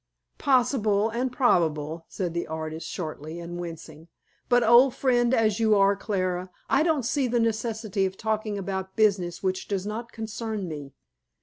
"Possible and probable," said the artist shortly, and wincing; "but old friend as you are, Clara, I don't see the necessity of talking about business which does not concern me.